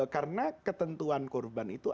karena ketentuan kurban itu